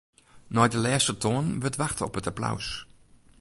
Nei de lêste toanen wurdt wachte op it applaus.